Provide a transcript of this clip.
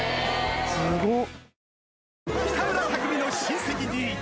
すごっ！